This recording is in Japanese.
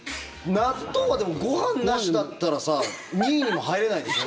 納豆はでも、ご飯なしだったら２位にも入れないでしょ？